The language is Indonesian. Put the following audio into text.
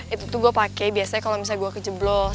itu tuh gue pakai biasanya kalau misalnya gue kejeblos